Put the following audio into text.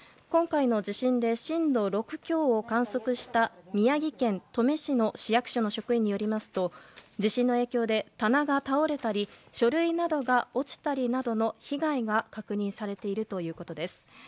今回の地震で震度６強を観測した宮城県登米市の市役所の職員によりますと地震の影響で棚が倒れたり書類などが落ちるなどの被害が確認されているということです。